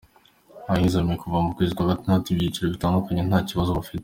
Abizigamiye kuva mu kwezi kwa gatandatu ibyiciro bitangajwe nta kibazo bafite.